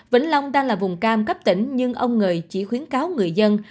vĩnh long đang là vùng cam cấp tỉnh nhưng ông ngời chỉ khuyến cáo người dân